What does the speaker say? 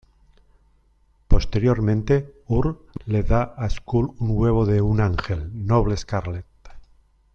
Posteriormente, Urd le da a Skuld un huevo de un ángel, Noble Scarlet.